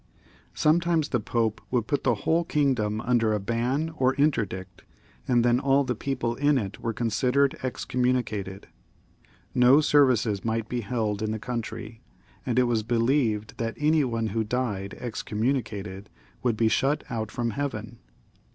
Sometimes the Pope would put the whole kingdom under a ban or inter dict, and then all the people in it were considered excom municated, no services might be held in the country, and it was believed that any one who died excommunicated would be shut out from heaven.